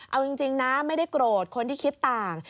เอาจริงนะไม่ได้โกรธคนที่คิดต่าง